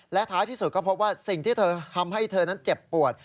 และท้ายที่สุดก็พบว่าสิ่งที่เธอทำให้เธอนั้นเจ็บปวด